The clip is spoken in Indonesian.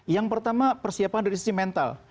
yang pertama persiapan dari sisi mental